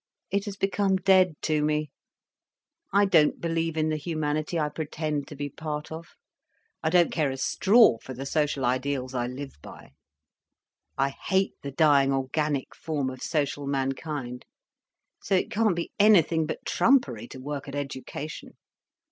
It has become dead to me. I don't believe in the humanity I pretend to be part of, I don't care a straw for the social ideals I live by, I hate the dying organic form of social mankind—so it can't be anything but trumpery, to work at education.